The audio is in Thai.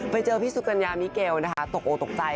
ไปเจอพี่สุกัญญามิเกลตกตกใจ